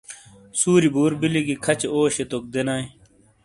سُوری بُور بلی گی کھچے اوشیے توک دینائیے۔